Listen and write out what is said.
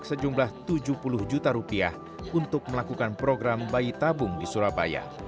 sejumlah tujuh puluh juta rupiah untuk melakukan program bayi tabung di surabaya